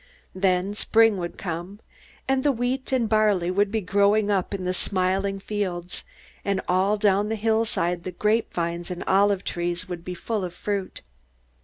Then spring would come, and the wheat and barley would be growing up in the smiling fields, and all down the hillside the grapevines and the olive trees would be full of fruit.